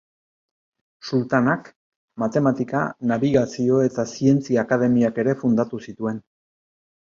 Sultanak Matematika-, Nabigazio- eta Zientzia-akademiak ere fundatu zituen.